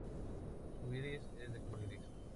Su iris es de color gris.